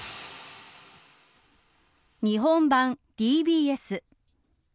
日本版ＤＢＳ。